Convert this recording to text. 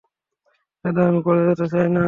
দাদা, আমি কলেজে যেতে চাই না।